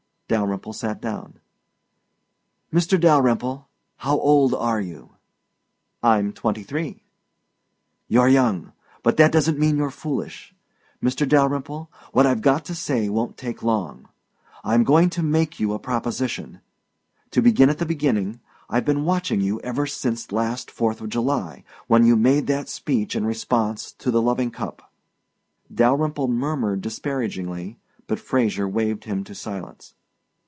Dalyrimple sat down. "Mr. Dalyrimple, how old are you?" "I'm twenty three." "You're young. But that doesn't mean you're foolish. Mr. Dalyrimple, what I've got to say won't take long. I'm going to make you a proposition. To begin at the beginning, I've been watching you ever since last Fourth of July when you made that speech in response to the loving cup." Dalyrimple murmured disparagingly, but Fraser waved him to silence.